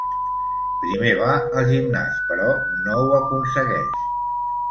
Primer va al gimnàs però no ho aconsegueix.